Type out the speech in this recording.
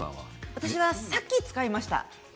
私はさっき使いました。